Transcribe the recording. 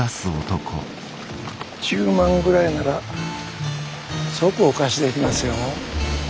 １０万ぐらいなら即お貸しできますよ。